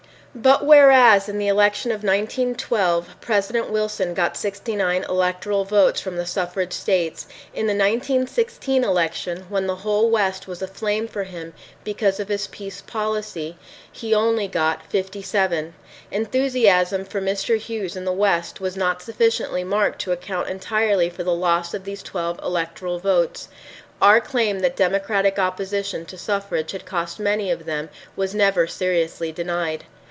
But, whereas, in the election of 191, President Wilson got 69 electoral votes from the suffrage states, in the 1916 election, when the whole West was aflame for him because of his peace policy, he got only 57. Enthusiasm for Mr. Hughes in the West was not sufficiently marked to account entirely for the loss of these 12 electoral votes. Our claim that Democratic opposition to suffrage had cost many of them was never seriously denied.